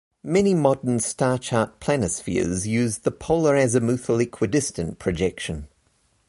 Many modern star chart planispheres use the polar azimuthal equidistant projection.